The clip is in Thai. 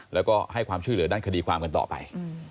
แล้วก็ให้ความช่วยเหลือด้านคดีความกันต่อไป